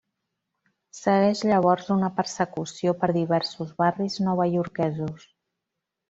Segueix llavors una persecució per diversos barris novaiorquesos.